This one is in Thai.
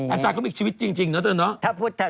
อาจารย์ก็มีชีวิตจริงเนาะ